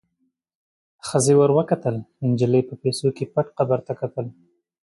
ښخې ور وکتل، نجلۍ په پیسو کې پټ قبر ته کتل.